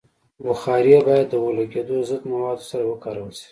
بخاري باید د اورلګیدو ضد موادو سره وکارول شي.